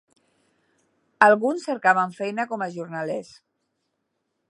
Alguns cercaven feina com a jornalers.